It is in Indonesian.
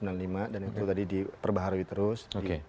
dan itu tadi diperbaharui terus